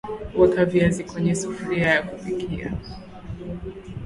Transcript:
Weka viazi kwenye sufuria ya kupikia